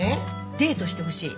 「デートしてほしい！」。